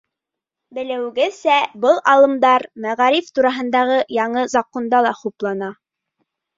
Белеүегеҙсә, был алымдар мәғариф тураһындағы яңы законда ла хуплана.